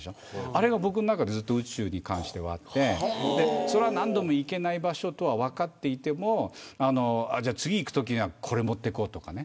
あれが僕の中で宇宙に関してはあって何度も行けない場所とは分かっていても次行くときにはこれ持っていこうとかね。